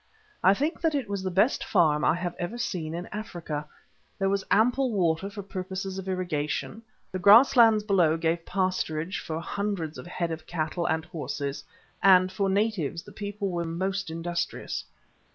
I think that it was the best farm I have ever seen in Africa. There was ample water for purposes of irrigation, the grass lands below gave pasturage for hundreds of head of cattle and horses, and, for natives, the people were most industrious.